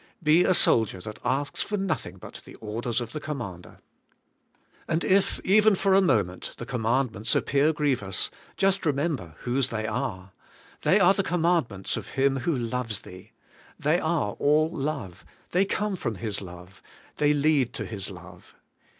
Be a soldier that asks for nothing but the orders of the commander. ' And if even for a moment the commandments ap 184 ABIDE IN CHRIST: pear grievous, just remember whose they are. They are the commandments of Him who loves thee. They are all love, they come from His love, they lead to His love.